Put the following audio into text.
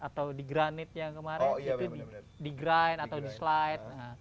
atau di granit yang kemarin itu di grind atau di slide